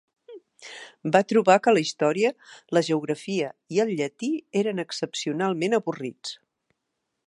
Va trobar que la història, la geografia i el llatí eren excepcionalment avorrits.